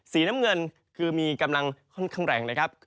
สีน้ำเงินคือมีกำลังค่อนข้างแรงนะครับ